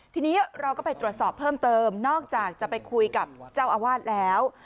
ทีนี้เราก็ไปตรวจสอบเพิ่มเติมนอกจากจะไปคุยกับเจ้าอาวาสแล้ว